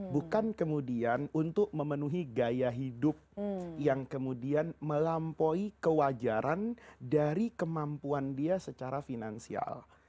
bukan kemudian untuk memenuhi gaya hidup yang kemudian melampaui kewajaran dari kemampuan dia secara finansial